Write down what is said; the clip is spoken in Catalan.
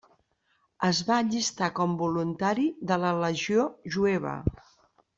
Es va allistar com voluntari de la Legió jueva.